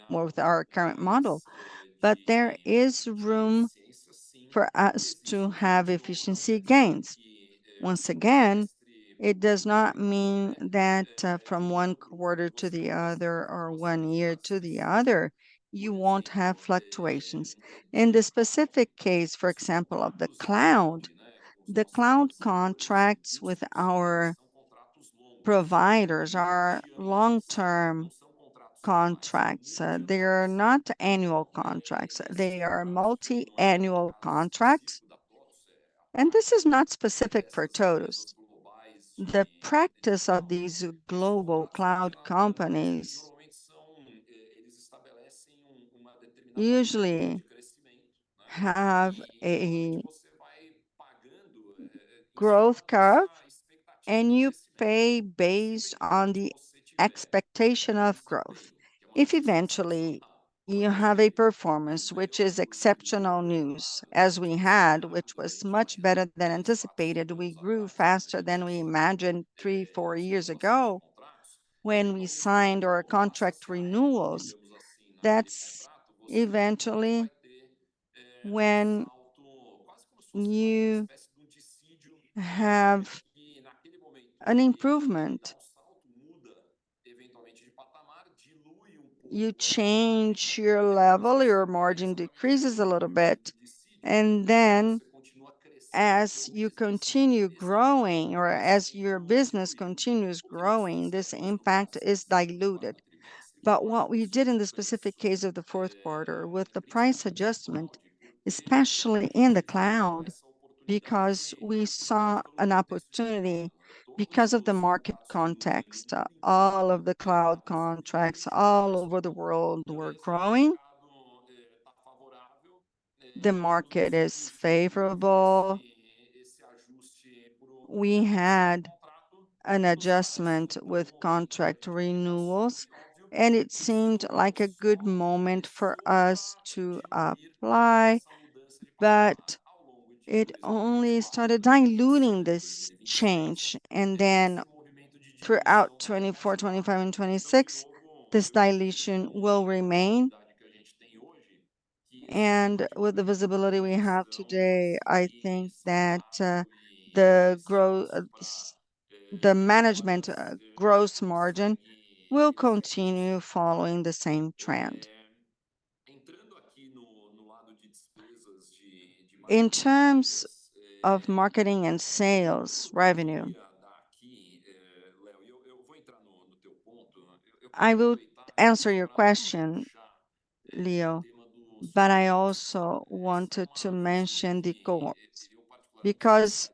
with our current model, but there is room for us to have efficiency gains. Once again, it does not mean that from one quarter to the other or one year to the other, you won't have fluctuations. In this specific case, for example, of the cloud, the cloud contracts with our providers are long-term contracts. They are not annual contracts, they are multi-annual contracts, and this is not specific for TOTVS. The practice of these global cloud companies usually have a growth curve, and you pay based on the expectation of growth. If eventually you have a performance, which is exceptional news, as we had, which was much better than anticipated, we grew faster than we imagined three, four years ago when we signed our contract renewals. That's eventually when you have an improvement. You change your level, your margin decreases a little bit, and then as you continue growing or as your business continues growing, this impact is diluted. But what we did in the specific case of the fourth quarter, with the price adjustment, especially in the cloud, because we saw an opportunity because of the market context. All of the cloud contracts all over the world were growing. The market is favorable. We had an adjustment with contract renewals, and it seemed like a good moment for us to apply, but it only started diluting this change. And then throughout 2024, 2025, and 2026, this dilution will remain. And with the visibility we have today, I think that the growth—the Management gross margin will continue following the same trend. In terms of marketing and sales revenue, I will answer your question, Leo, but I also wanted to mention the cohorts, because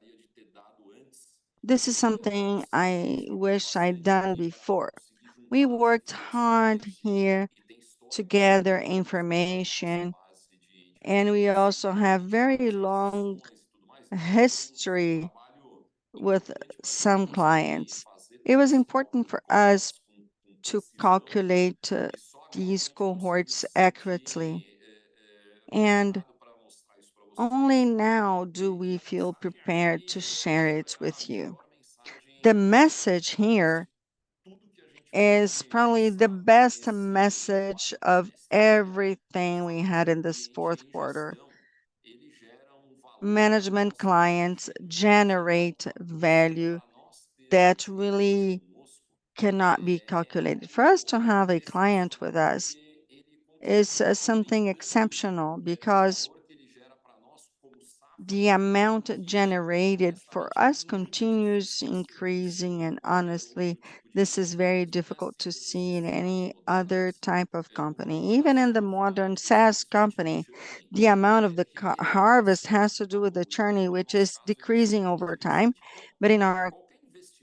this is something I wish I'd done before. We worked hard here to gather information, and we also have very long history with some clients. It was important for us to calculate these cohorts accurately, and only now do we feel prepared to share it with you. The message here is probably the best message of everything we had in this fourth quarter. Management clients generate value that really cannot be calculated. For us to have a client with us is something exceptional, because the amount generated for us continues increasing, and honestly, this is very difficult to see in any other type of company. Even in the modern SaaS company, the amount of the cash harvest has to do with the journey, which is decreasing over time. But in our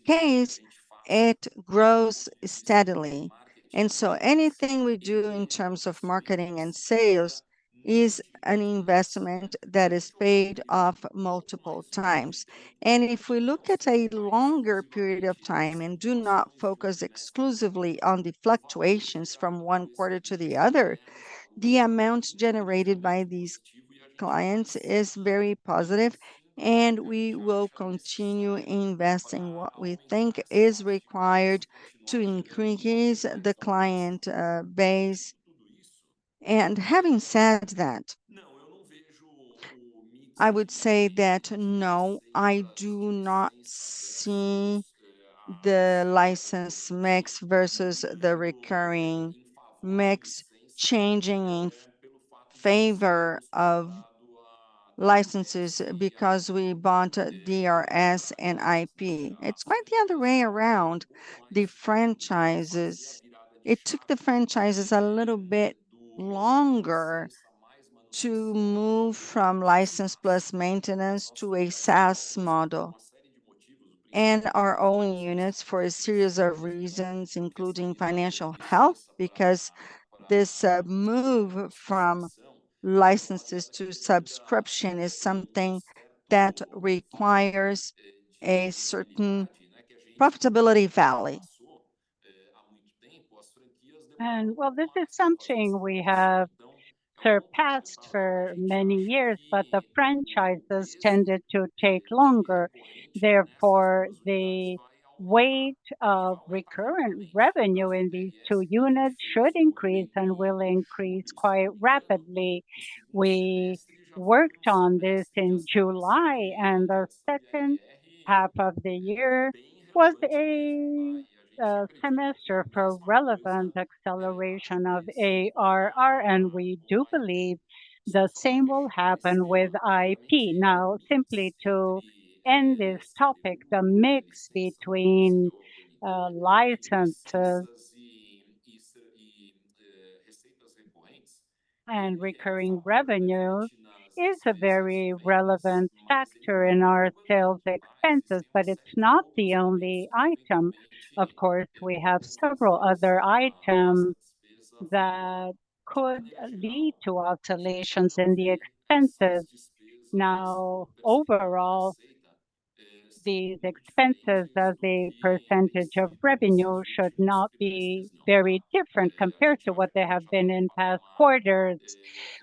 case, it grows steadily, and so anything we do in terms of marketing and sales is an investment that is paid off multiple times. And if we look at a longer period of time and do not focus exclusively on the fluctuations from one quarter to the other, the amount generated by these clients is very positive, and we will continue investing what we think is required to increase the client base. And having said that, I would say that, no, I do not see the license mix versus the recurring mix changing in favor of licenses because we bought TRS and IP. It's quite the other way around. The franchises-- It took the franchises a little bit longer to move from license plus maintenance to a SaaS model. And our own units, for a series of reasons, including financial health, because this move from licenses to subscription is something that requires a certain profitability valley. Well, this is something we have surpassed for many years, but the franchises tended to take longer. Therefore, the weight of recurring revenue in these two units should increase and will increase quite rapidly. We worked on this in July, and the second half of the year was a semester for relevant acceleration of ARR, and we do believe the same will happen with IP. Now, simply to end this topic, the mix between licenses and recurring revenues is a very relevant factor in our sales expenses, but it's not the only item. Of course, we have several other items that could lead to oscillations in the expenses. Now, overall, the expenses as a percentage of revenue should not be very different compared to what they have been in past quarters.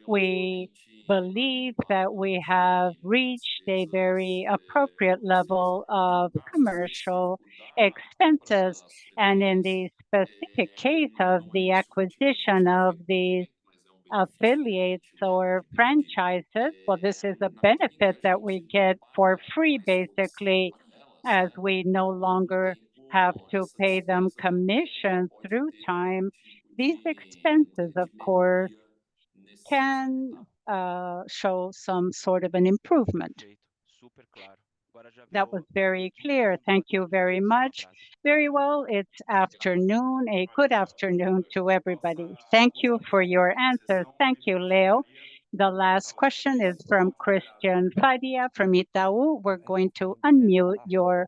We believe that we have reached a very appropriate level of commercial expenses, and in the specific case of the acquisition of these affiliates or franchises, well, this is a benefit that we get for free, basically, as we no longer have to pay them commission through time. These expenses, of course, can show some sort of an improvement. That was very clear. Thank you very much. Very well, it's afternoon. A good afternoon to everybody. Thank you for your answers. Thank you, Leo. The last question is from Cristian Faria from Itaú. We're going to unmute your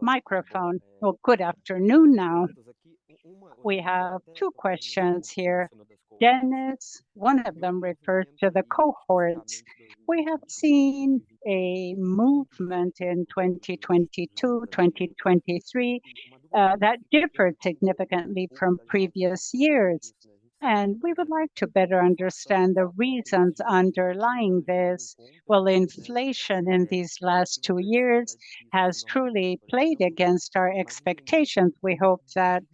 microphone. Well, good afternoon now. We have two questions here. Dennis, one of them refers to the cohorts. We have seen a movement in 2022/2023 that differed significantly from previous years, and we would like to better understand the reasons underlying this. Well, inflation in these last two years has truly played against our expectations. We hope that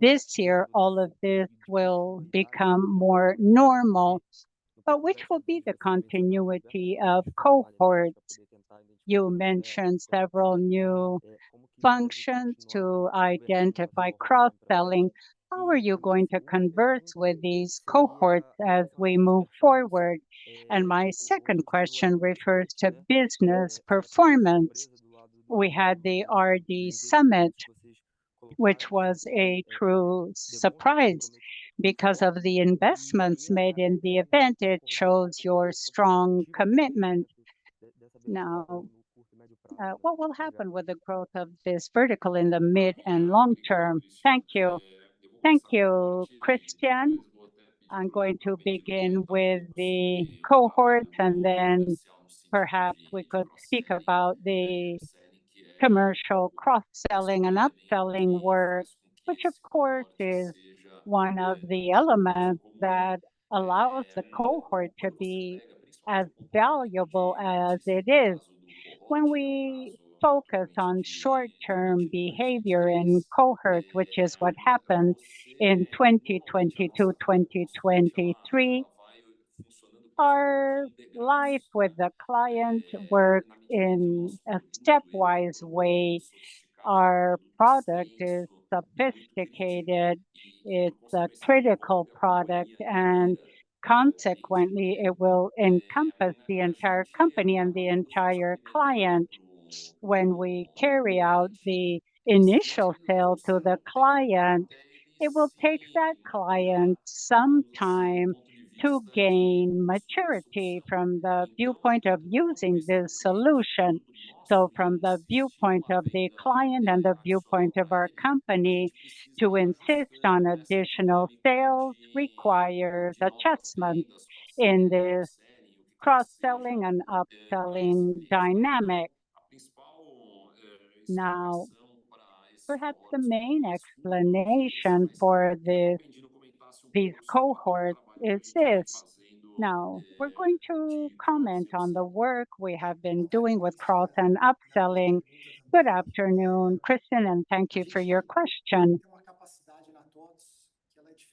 this year, all of this will become more normal. But which will be the continuity of cohorts? You mentioned several new functions to identify cross-selling. How are you going to convert with these cohorts as we move forward? And my second question refers to Business Performance. We had the RD Summit, which was a true surprise because of the investments made in the event. It shows your strong commitment. Now, what will happen with the growth of this vertical in the mid and long term? Thank you. Thank you, Cristian. I'm going to begin with the cohorts, and then perhaps we could speak about the commercial cross-selling and upselling work, which of course, is one of the elements that allows the cohort to be as valuable as it is. When we focus on short-term behavior in cohorts, which is what happened in 2022/2023, our life with the client work in a stepwise way. Our product is sophisticated, it's a critical product, and consequently, it will encompass the entire company and the entire client. When we carry out the initial sale to the client, it will take that client some time to gain maturity from the viewpoint of using this solution. So from the viewpoint of the client and the viewpoint of our company, to insist on additional sales requires adjustments in this cross-selling and upselling dynamic. Now, perhaps the main explanation for this, these cohorts is this. Now, we're going to comment on the work we have been doing with cross and upselling. Good afternoon, Cristian, and thank you for your question.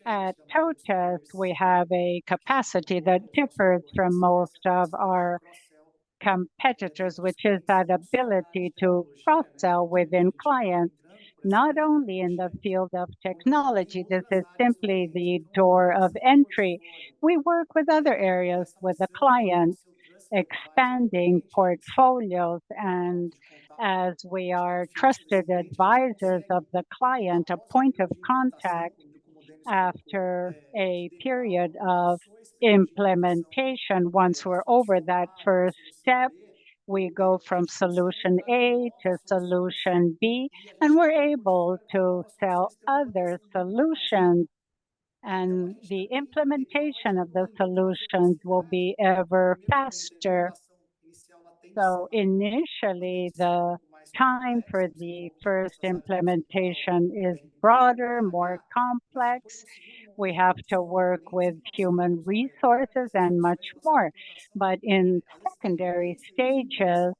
At TOTVS, we have a capacity that differs from most of our competitors, which is that ability to cross-sell within clients, not only in the field of technology, this is simply the door of entry. We work with other areas with the clients, expanding portfolios, and as we are trusted advisors of the client, a point of contact after a period of implementation, once we're over that first step, we go from solution A to solution B, and we're able to sell other solutions, and the implementation of those solutions will be ever faster. So initially, the time for the first implementation is broader, more complex. We have to work with human resources and much more. But in secondary stages,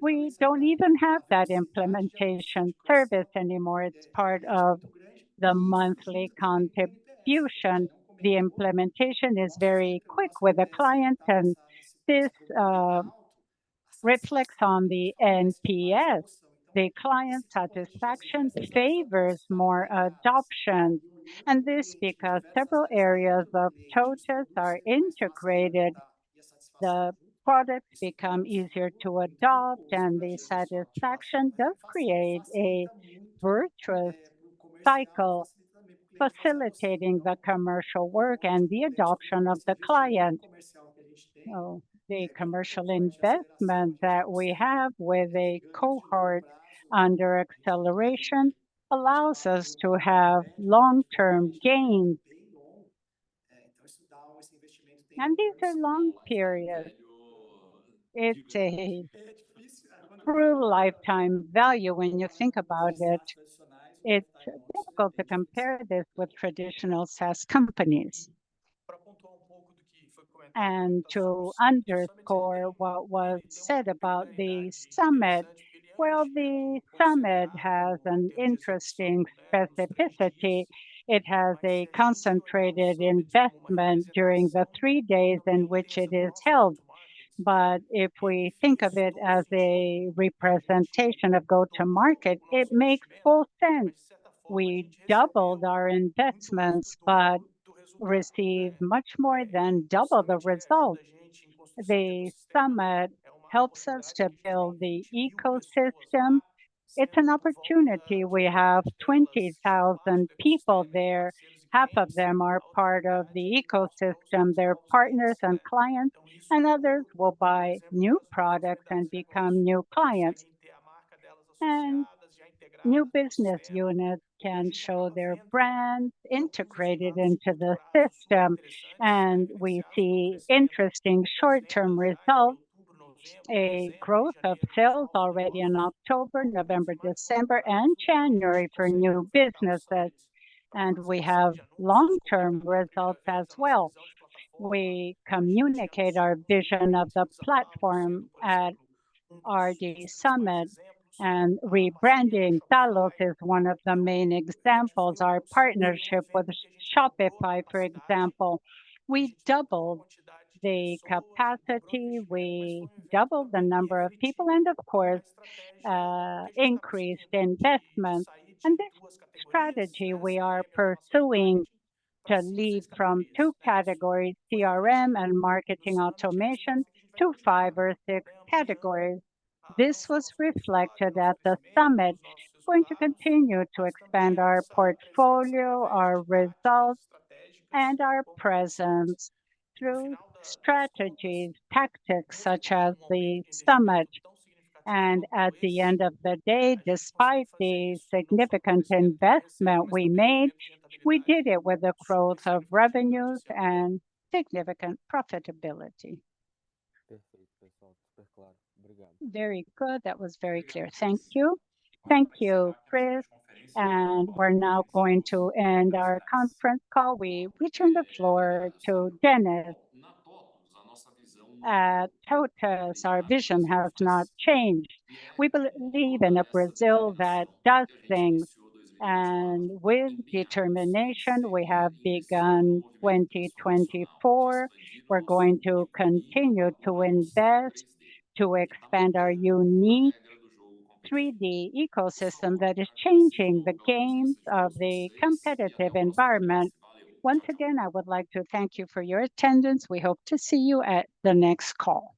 we don't even have that implementation service anymore. It's part of the monthly contribution. The implementation is very quick with the client, and this reflects on the NPS. The client satisfaction favors more adoption, and this because several areas of TOTVS are integrated. The products become easier to adopt, and the satisfaction does create a virtuous cycle, facilitating the commercial work and the adoption of the client. So the commercial investment that we have with a cohort under acceleration allows us to have long-term gains. And these are long period. It's a true lifetime value when you think about it. It's difficult to compare this with traditional SaaS companies. And to underscore what was said about the summit, well, the summit has an interesting specificity. It has a concentrated investment during the three days in which it is held. But if we think of it as a representation of go-to-market, it makes full sense. We doubled our investments but received much more than double the result. The summit helps us to build the ecosystem. It's an opportunity. We have 20,000 people there. Half of them are part of the ecosystem, they're partners and clients, and others will buy new products and become new clients. New business units can show their brands integrated into the system, and we see interesting short-term results, a growth of sales already in October, November, December, and January for new businesses, and we have long-term results as well. We communicate our vision of the platform at our summit, and rebranding Tallos is one of the main examples. Our partnership with Shopify, for example, we doubled the capacity, we doubled the number of people, and of course, increased investment. This strategy we are pursuing to leap from 2 categories, CRM and marketing automation, to 5 or 6 categories. This was reflected at the summit. We're going to continue to expand our portfolio, our results, and our presence through strategies, tactics, such as the summit. At the end of the day, despite the significant investment we made, we did it with a growth of revenues and significant profitability. Very good. That was very clear. Thank you. Thank you, Chris. We're now going to end our conference call. We return the floor to Dennis. At TOTVS, our vision has not changed. We believe in a Brazil that does things, and with determination, we have begun 2024. We're going to continue to invest, to expand our unique 3D ecosystem that is changing the games of the competitive environment. Once again, I would like to thank you for your attendance. We hope to see you at the next call.